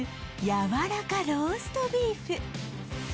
やわらかローストビーフ